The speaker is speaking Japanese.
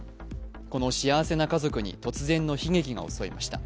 この幸せな家族に突然の悲劇が襲いました。